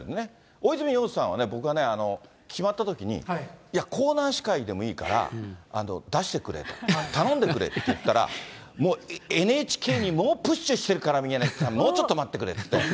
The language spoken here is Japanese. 大泉洋さんはね、僕は決まったときに、いや、コーナー司会でもいいから、出してくれ、頼んでくれって言ったら、もう、ＮＨＫに猛プッシュしてるから、宮根さん、もうちょっと待ってくれって言って。